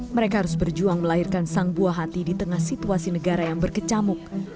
mereka harus berjuang melahirkan sang buah hati di tengah situasi negara yang berkecamuk